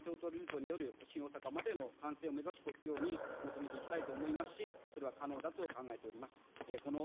さらに早く、２０３０年代半ばの小浜・京都ルートによる新大阪までの完成を目指すように求めていきたいと思いますし、それは可能だと考えております。